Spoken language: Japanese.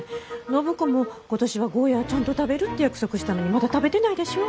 暢子も今年はゴーヤーちゃんと食べるって約束したのにまだ食べてないでしょ？